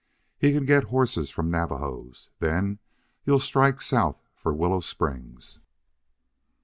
He can get horses from Navajos. Then you'll strike south for Willow Springs."